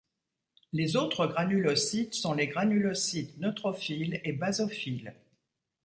Les autres granulocytes sont les granulocytes neutrophiles et basophiles.